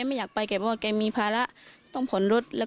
มีเหตุผิดคุณตกล่องหัวหน้า